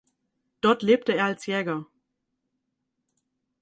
Dort lebte er als Jäger.